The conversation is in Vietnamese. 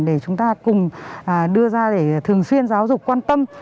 để chúng ta cùng đưa ra để thường xuyên giáo dục quan tâm